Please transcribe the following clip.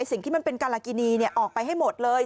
สิ่งที่มันเป็นการากินีออกไปให้หมดเลย